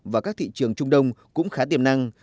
và các thị trường trung đông cũng khá tiềm năng